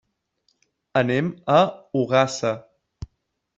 Anem a Ogassa.